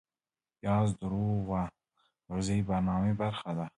پیاز د روغه غذایي برنامه برخه ده